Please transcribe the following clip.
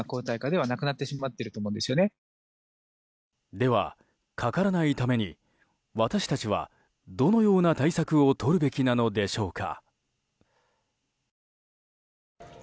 では、かからないために私たちはどのような対策をとるべきなのでしょうか。